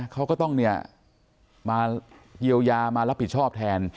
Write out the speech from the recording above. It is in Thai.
เขาก็ต้องมาเยียวยามารับผิดชอบแทน